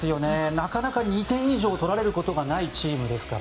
なかなか２点以上取られることがないチームなので。